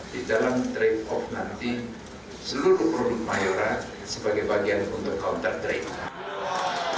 di dalam trade off nanti seluruh produk mayora sebagai bagian untuk counter trade